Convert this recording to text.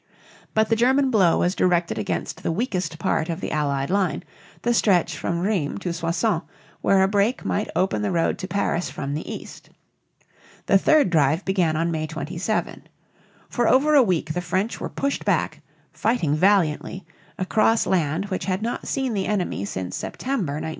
But the German blow was directed against the weakest part of the Allied line, the stretch from Rheims to Soissons, where a break might open the road to Paris from the east. The third drive began on May 27. For over a week the French were pushed back, fighting valiantly, across land which had not seen the enemy since September, 1914.